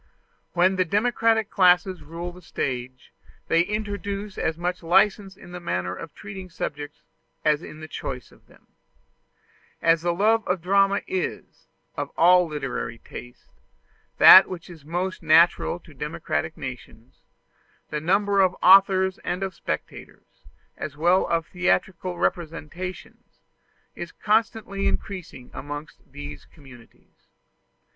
When the democratic classes rule the stage, they introduce as much license in the manner of treating subjects as in the choice of them. As the love of the drama is, of all literary tastes, that which is most natural to democratic nations, the number of authors and of spectators, as well as of theatrical representations, is constantly increasing amongst these communities.